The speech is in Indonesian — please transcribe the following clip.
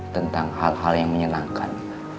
tentang hal hal yang menyenangkan